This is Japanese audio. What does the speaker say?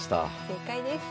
正解です。